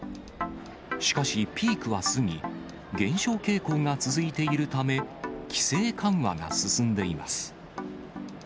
しかし、ピークは過ぎ、減少傾向が続いているため、規制緩和が進んでいます。